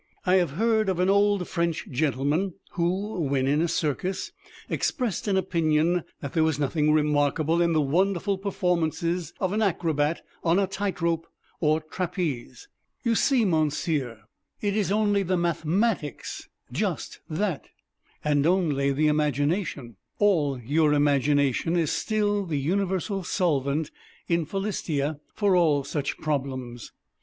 I have heard of an old French gentleman who, when in a circus, expressed an opinion that there was nothing remarkable in the wonderful performances of an acrobat on a tight rope, or trapeze. "Voyez vous monsieur" he exclaimed; "Ce n'est que la mathématique rien que ca!" And only the Imagination "all your Imagination" is still the universal solvent in Philistia for all such problems.